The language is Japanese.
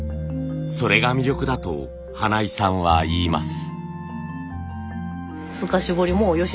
それが魅力だと花井さんは言います。